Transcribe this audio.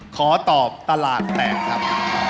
ขอตอบตลาดแตกครับ